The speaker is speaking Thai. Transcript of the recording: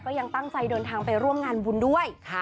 ยังตั้งใจเดินทางไปร่วมงานบุญด้วย